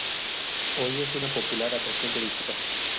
Hoy es una popular atracción turística.